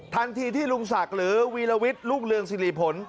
ทันทีที่ลุงศักดิ์หรือวีรวิทย์รุ่งเรืองสิริผล